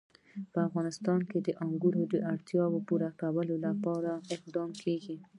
په افغانستان کې د انګور د اړتیاوو پوره کولو لپاره اقدامات کېږي.